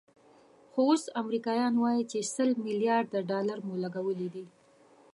خو اوس امریکایان وایي چې سل ملیارده ډالر مو لګولي دي.